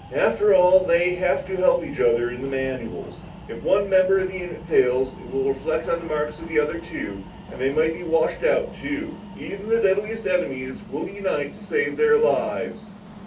After all, they have to help each other in the manuals. If one member of the unit fails, it will reflect on the marks of the other two and they might be washed out too. Even the deadliest enemies will unite to save their lives."